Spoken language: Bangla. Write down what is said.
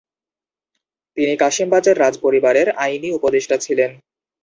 তিনি কাশিমবাজার রাজ পরিবারের আইনি উপদেষ্টা ছিলেন।